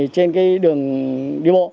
trên cái đường đi bộ